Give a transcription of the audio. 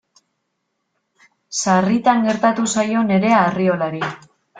Sarritan gertatu zaio Nerea Arriolari.